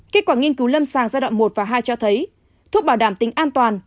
kết quả nghiên cứu lâm sàng giai đoạn một và hai cho thấy thuốc bảo đảm tính an toàn